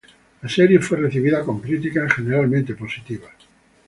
La serie fue recibida con críticas generalmente positivas.